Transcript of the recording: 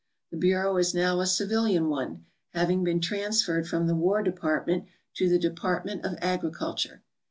The bureau is now a civilian one, having been transferred from the War Department to the Department of Agriculture.